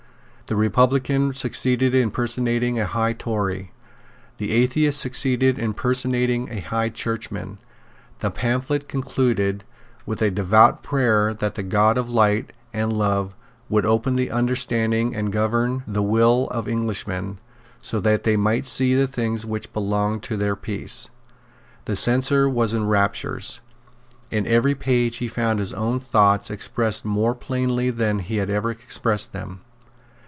The republican succeeded in personating a high Tory. The atheist succeeded in personating a high Churchman. The pamphlet concluded with a devout prayer that the God of light and love would open the understanding and govern the will of Englishmen, so that they might see the things which belonged to their peace. The censor was in raptures. In every page he found his own thoughts expressed more plainly than he had ever expressed them.